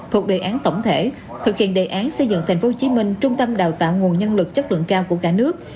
thuộc đề án tổng thể thực hiện đề án xây dựng tp hcm trung tâm đào tạo nguồn nhân lực chất lượng cao của cả nước